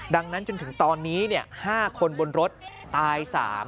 ดังนั้นจนถึงตอนนี้๕คนบนรถตาย๓